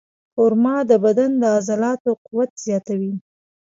خرما د بدن د عضلاتو قوت زیاتوي.